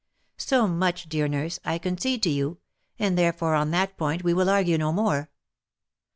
So much, dear nurse, I concede to you, and therefore on that point we will argue no more.